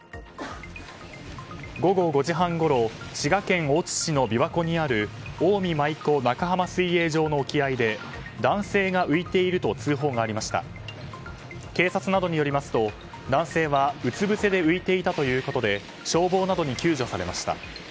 午後５時半ごろ滋賀県大津市の琵琶湖にある近江舞子中浜水泳場の沖合で男性が浮いていると警察などによりますと、男性はうつぶせで浮いていたということで消防などに救助されました。